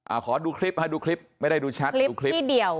ขอดูคลิปฮะดูคลิปไม่ได้ดูแชทดูคลิปนิดเดียว